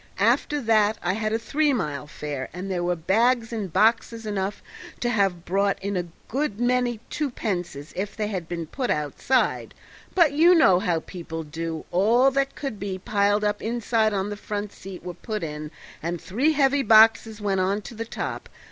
After that I had a three mile fare, and there were bags and boxes enough to have brought in a good many twopences if they had been put outside; but you know how people do; all that could be piled up inside on the front seat were put in and three heavy boxes went on the top.